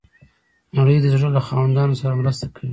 نړۍ د زړه له خاوندانو سره مرسته کوي.